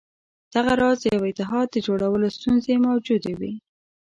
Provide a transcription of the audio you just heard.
دغه راز یوه اتحاد د جوړولو ستونزې موجودې وې.